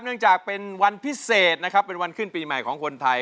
เนื่องจากเป็นวันพิเศษนะครับเป็นวันขึ้นปีใหม่ของคนไทย